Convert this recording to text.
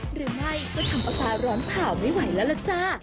หรือไม่ก็ทำภาษาร้อนข่าวไม่ไหวแล้วล่ะจ้า